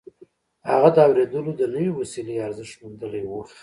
هغه د اورېدلو د نوې وسيلې ارزښت موندلی و.